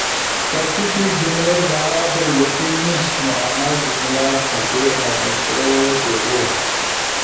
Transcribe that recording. کہ تو تی جملئی بارا در یقین نیِش نو انا جملہ پھاتے اؤ مُݜو بو۔